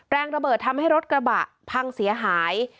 แรงระเบิดทำให้รถกระบะพังเสียหาย